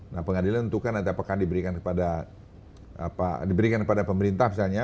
nah pengadilan tentukan nanti apakah diberikan kepada pemerintah misalnya